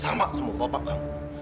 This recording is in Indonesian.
sama sama bapak kamu